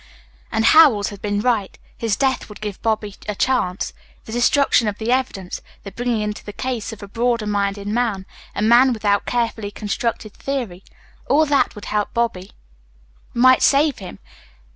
And Howells had been right. His death would give Bobby a chance. The destruction of the evidence, the bringing into the case of a broader minded man, a man without a carefully constructed theory all that would help Bobby, might save him.